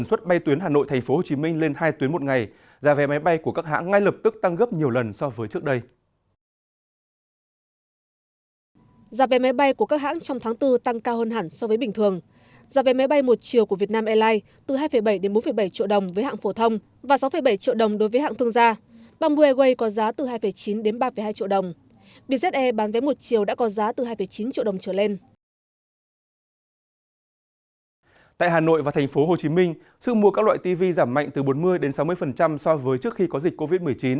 sự mua các loại tv giảm mạnh từ bốn mươi sáu mươi so với trước khi có dịch covid một mươi chín